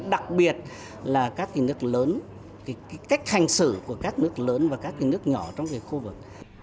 đặc biệt là các nước lớn cái cách hành xử của các nước lớn và các nước nhỏ trong khu vực